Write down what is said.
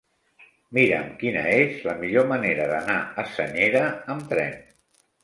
Mira'm quina és la millor manera d'anar a Senyera amb tren.